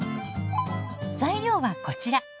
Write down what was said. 材料はこちら。